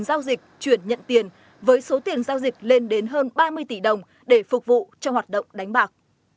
giao dịch chuyển nhận tiền với số tiền giao dịch lên đến hơn ba mươi tỷ đồng để phục vụ cho hoạt động đánh bạc